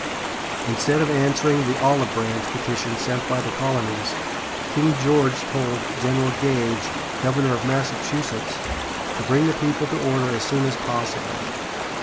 Instead of answering the "olive branch" petition sent by the colonies, King George told General Gage, governor of Massachusetts, to bring the people to order as soon as possible.